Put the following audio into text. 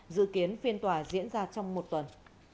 dự kiến phiên tòa diễn ra trong một tuần